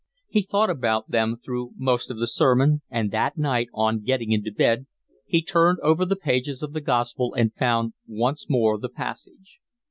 He thought about them through most of the sermon, and that night, on getting into bed, he turned over the pages of the Gospel and found once more the passage.